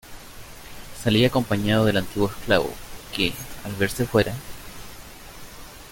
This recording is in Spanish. salí acompañado del antiguo esclavo, que , al verse fuera